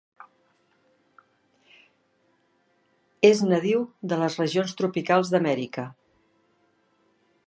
És nadiu de les regions tropicals d'Amèrica.